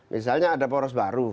misalnya ada poros baru